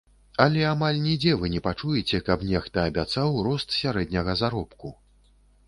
Але амаль нідзе вы не пачуеце, каб нехта абяцаў рост сярэдняга заробку.